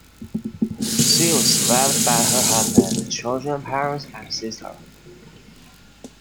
She was survived by her husband, children, parents, and sister.